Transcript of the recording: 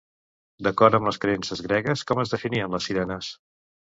D'acord amb les creences gregues, com es definien les Sirenes?